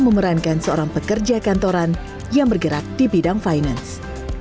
dan memerankan seorang pekerja kantoran yang bergerak di bidang finance